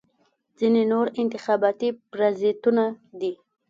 ځینې نور انتخابي پرازیتونه دي.